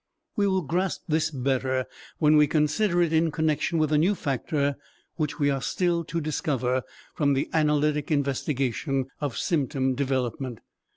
We will grasp this better when we consider it in connection with a new factor which we are still to discover from the analytic investigation of symptom development.